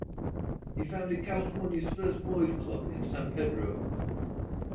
He founded California's first Boys Club in San Pedro.